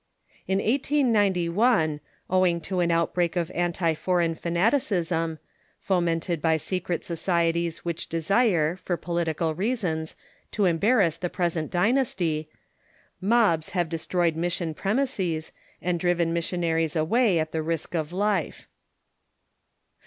In 1891, owing to an outbreak of anti foreign fanati cism, fomented by secret societies which desire, for political reasons, to embarrass the present dynasty, mobs have destroyed mission premises and driven missionaries away at the risk of life.